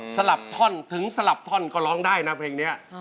ลับท่อนถึงสลับท่อนก็ร้องได้นะเพลงนี้